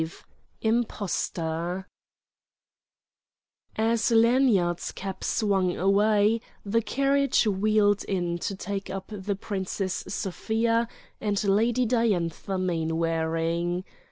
V IMPOSTOR As Lanyard's cab swung away, the carriage wheeled in to take up the Princess Sofia and Lady Diantha Mainwaring.